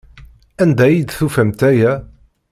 Anda ay d-tufamt aya?